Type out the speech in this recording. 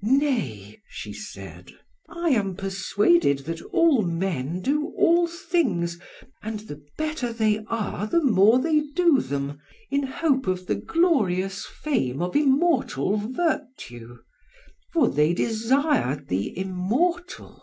Nay,' she said, 'I am persuaded that all men do all things, and the better they are the more they do them, in hope of the glorious fame of immortal virtue; for they desire the immortal.